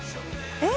えっ？